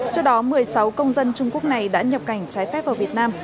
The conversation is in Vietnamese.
trước đó một mươi sáu công dân trung quốc này đã nhập cảnh trái phép vào việt nam